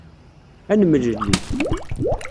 Ad nemlelli.